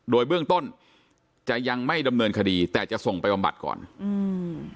โดยเบื้องต้นจะยังไม่ดำเนินคดีแต่จะส่งไปบำบัดก่อนอืม